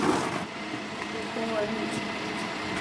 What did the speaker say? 祖父龚文礼。